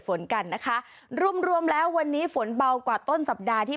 ฝนกันนะคะรวมรวมแล้ววันนี้ฝนเบากว่าต้นสัปดาห์ที่